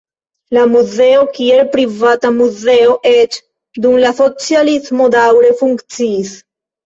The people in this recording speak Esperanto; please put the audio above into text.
La muzeo, kiel privata muzeo, eĉ dum la socialismo daŭre funkciis.